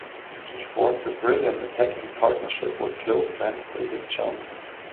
He formed a brilliant attacking partnership with close friend David Johnson.